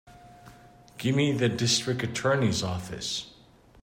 Give me the District Attorney's office.